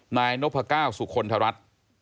นายนพก้าวสุคลทรัฐ